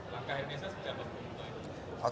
langkah indonesia sudah berfungsi